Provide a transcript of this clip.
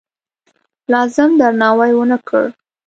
لازم درناوی ونه کړ.